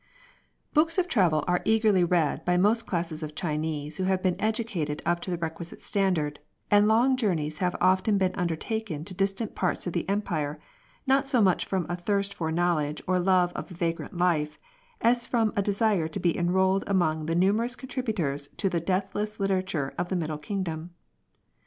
Books of travel are ^eagerly read by most classes of Chinese who have been educated up to the re quisite standard, and long journeys have often been undertaken to distant parts of the Empire, not so much from a thirst for knowledo^e or love of a vao^rant life, as from a desire to be enrolled among the nume rous contributors to the deathless literature of the Middle Kingdom.